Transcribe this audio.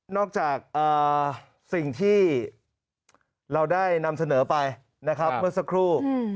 จากสิ่งที่เราได้นำเสนอไปนะครับเมื่อสักครู่